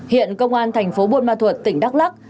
hiện công an thành phố buôn ma thuật tỉnh đắk lắc